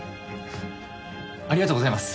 ありがとうございます。